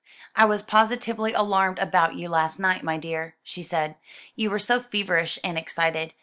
"I was positively alarmed about you last night, my dear," she said; "you were so feverish and excited.